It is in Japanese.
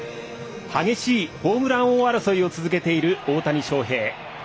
激しいホームラン王争いを続けている大谷翔平。